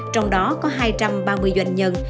trong đó có hai trăm ba mươi doanh nhân